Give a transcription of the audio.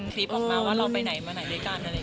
คลิปออกมาว่าเราไปไหนมาไหนด้วยกันนะ